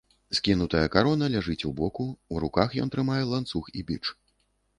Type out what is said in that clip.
Скінутая карона ляжыць у боку, у руках ён трымае ланцуг і біч.